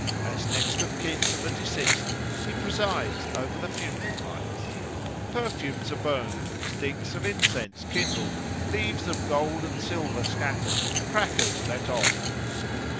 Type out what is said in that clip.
As next of kin to the deceased he presides over the funeral rites. Perfumes are burned, sticks of incense kindled, leaves of gold and silver scattered, crackers let off.